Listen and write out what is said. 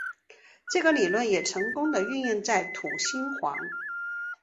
这个理论也成功的运用在土星环。